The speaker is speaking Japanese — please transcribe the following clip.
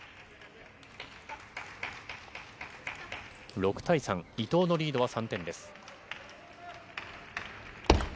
６対３、伊藤のリードは３点です。